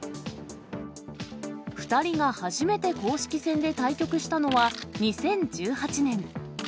２人が初めて公式戦で対局したのは２０１８年。